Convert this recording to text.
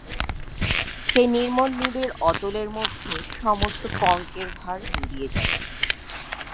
সেই নির্মল নীলের অতলের মধ্যে সমস্ত পঙ্কের ভার মিলিয়ে যাবে।